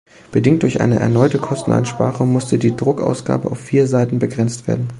Bedingt durch eine erneute Kosteneinsparung musste die Druckausgabe auf vier Seiten begrenzt werden.